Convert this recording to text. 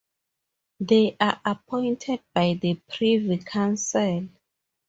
They are appointed by the Privy Council.